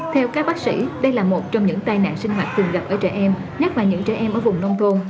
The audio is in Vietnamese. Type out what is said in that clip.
theo các bác sĩ đây là một trong những tai nạn sinh hoạt thường gặp ở trẻ em nhất là những trẻ em ở vùng nông thôn